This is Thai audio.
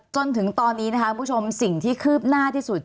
จนถึงตอนนี้นะคะคุณผู้ชมสิ่งที่คืบหน้าที่สุด